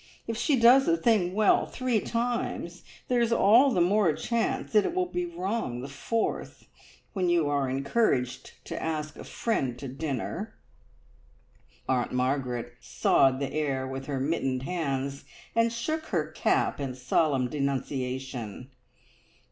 If she does a thing well three times, there's all the more chance that it will be wrong the fourth, when you are encouraged to ask a friend to dinner." Aunt Margaret sawed the air with her mittened hands, and shook her cap in solemn denunciation.